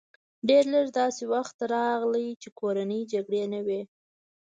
ډېر لږ داسې وخت راغی چې کورنۍ جګړې نه وې